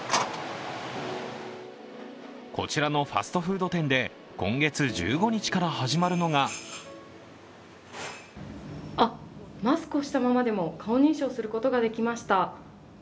こちらのファストフード店で今月１５日から始まるのがマスクをしたままでも顔認証することができました。